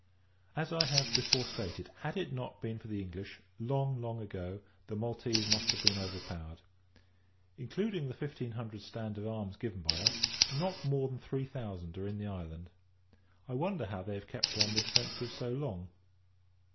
As I have before stated, had it not been for the English, long, long ago, the Maltese must have been overpowered. Including the fifteen hundred stand of arms given by us, not more than three thousand are in the island. I wonder how they have kept on the defensive so long.